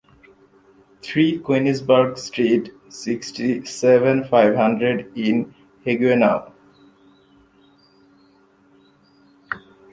Three, Koenigsbruck street, sixty-seven, five hundred in Haguenau